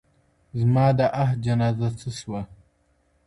زما د آه جنازه څه سوه؟